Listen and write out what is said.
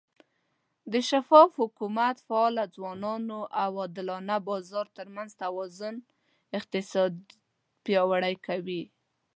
د شفاف حکومت، فعاله ځوانانو، او عادلانه بازار ترمنځ توازن اقتصاد پیاوړی کوي.